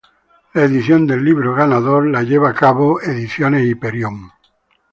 La edición del libro ganador es llevada a cabo por Ediciones Hiperión.